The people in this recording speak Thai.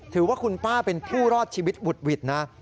ถือว่าคุณป้าเป็นผู้รอดชีวิตหวุดหวิดนะ